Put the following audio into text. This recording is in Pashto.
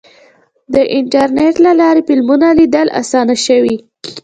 د انټرنیټ له لارې فلمونه لیدل اسانه شوي.